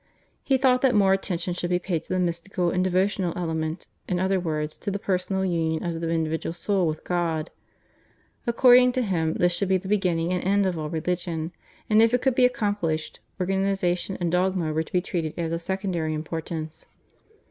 He thought that more attention should be paid to the mystical and devotional element, in other words to the personal union of the individual soul with God. According to him, this should be the beginning and end of all religion, and if it could be accomplished organisation and dogma were to be treated as of secondary importance.